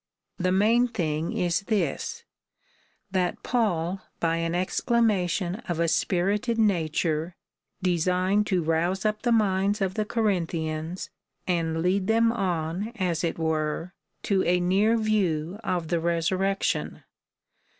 ^ The main thing is this — that Paul, by an exclamation of a spirited nature, designed to rouse up the minds of the Corinthians, and lead them on, as it were, to a near view of the resurrec tion.